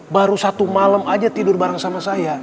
baru satu malam aja tidur bareng sama saya